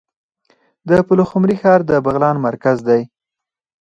د پلخمري ښار د بغلان مرکز دی